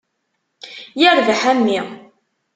Yirbeḥ a mmi.